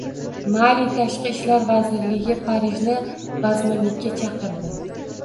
Mali tashqi ishlar vazirligi Parijni vazminlikka chaqirdi